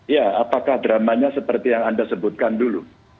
ya apakah dramanya seperti yang anda sebutkan dulu